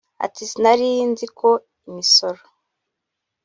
Ati ” Sinari nziko imisoro